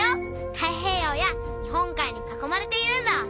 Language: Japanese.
太平洋や日本海に囲まれているんだ。